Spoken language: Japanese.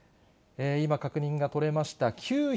今、確認が取れました。